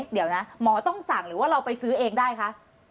เดี๋ยวนะหมอต้องสั่งหรือว่าเราไปซื้อเองได้คะ